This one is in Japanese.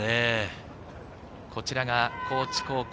こちらが高知高校。